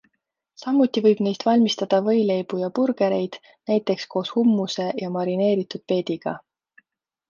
Samuti võib neist valmistada võileibu ja burgereid, näiteks koos hummuse ja marineeritud peediga.